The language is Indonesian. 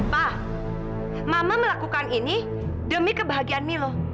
pak mama melakukan ini demi kebahagiaan milo